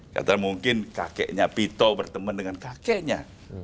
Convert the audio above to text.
katakan mungkin kakeknya vito berteman dengan kakeknya